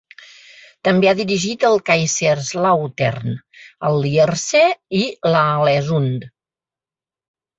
També ha dirigit el Kaiserslautern, el Lierse i l'Aalesund.